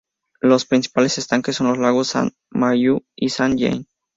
Los principales estanques son los lagos Saint-Mathieu y Saint-Jean.